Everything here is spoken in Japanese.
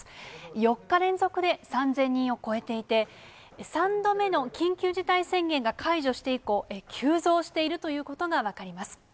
４日連続で３０００人を超えていて、３度目の緊急事態宣言が解除して以降、急増しているということが分かります。